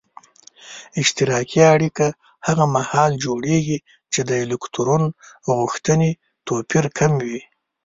اشتراکي اړیکه هغه محال جوړیږي چې د الکترون غوښتنې توپیر کم وي.